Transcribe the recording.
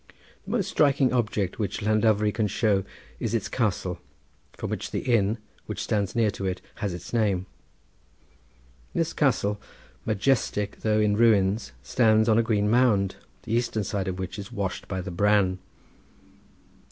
The most striking object which Llandovery can show is its castle, from which the inn, which stands near to it, has its name. This castle, majestic though in ruins, stands on a green mound, the eastern side of which is washed by the Bran.